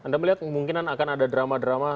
anda melihat kemungkinan akan ada drama drama